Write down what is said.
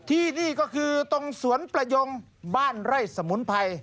ที่นี่ก็คือตรงสวนประยงบ้านไร่สมุนไพร